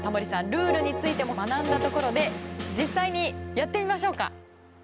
ルールについても学んだところで実際にやってみましょうか。